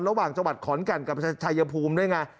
ระหว่างจังหวัดขอนแก่นกับชายภูมิด้วยไง